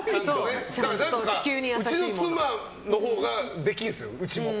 うちの妻のほうができるんですよ、うちも。